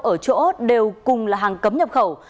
ở chỗ đều cùng là hàng cấm nhập khẩu